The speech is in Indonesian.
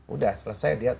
udah selesai dia